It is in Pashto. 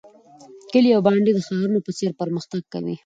کلي او بانډې د ښارونو په څیر پرمختګ کوي.